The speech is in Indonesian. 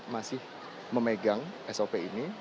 masih memegang sop ini